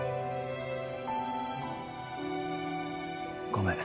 ごめん。